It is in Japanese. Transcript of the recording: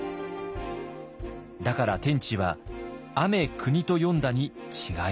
だから「天地」は「アメクニ」と読んだに違いない。